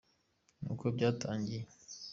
nuko byatangiye.